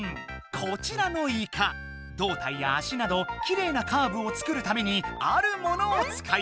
こちらのイカどう体や足などきれいなカーブを作るためにあるものを使います。